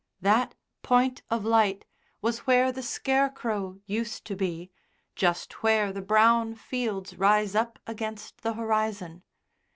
That point of light was where the Scarecrow used to be, just where the brown fields rise up against the horizon.